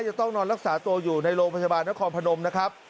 จะต้องนอนรักษาตัวอยู่ในโรงพยาบาลนครพนมนะครับ